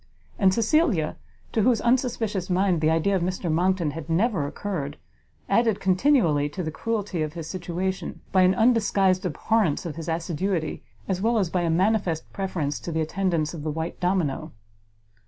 And Cecilia, to whose unsuspicious mind the idea of Mr Monckton had never occurred, added continually to the cruelty of his situation, by an undisguised abhorrence of his assiduity, as well as by a manifest preference to the attendance of the white domino.